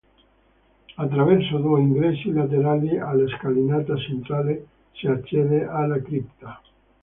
Attraverso due ingressi laterali alla scalinata centrale, si accede alla cripta.